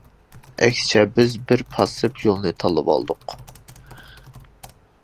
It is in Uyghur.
ئەكسىچە بىز بىر پاسسىپ يولنى تاللىۋالدۇق.